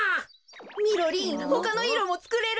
みろりんほかのいろもつくれる？